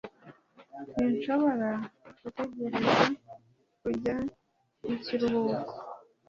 Sinshobora gutegereza kujya mu kiruhuko